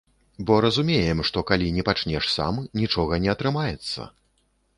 Бо разумеем, што калі не пачнеш сам, нічога не атрымаецца!